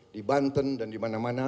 di banten dan di mana mana